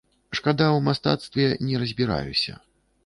Шкада, у мастацтве не разбіраюся.